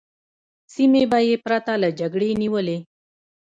سیمې به یې پرته له جګړې نیولې.